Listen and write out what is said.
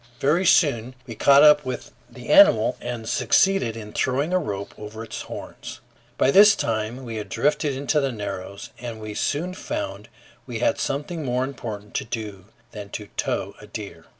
Very soon we caught up with the animal and succeeded in throwing a rope over its horns. By this time we had drifted into the Narrows, and we soon found we had something more important to do than to tow a deer.